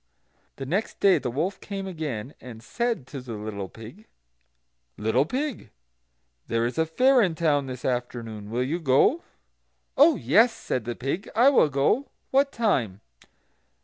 The next day the wolf came again, and said to the little pig: "Little pig, there is a fair in town this afternoon; will you go?" "Oh yes," said the pig, "I will go; what time?"